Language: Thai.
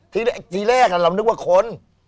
ทีแรกเรานึกว่าคน